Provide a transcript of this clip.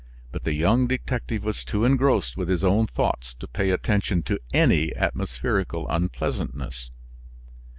But the young detective was too engrossed with his own thoughts to pay attention to any atmospherical unpleasantness.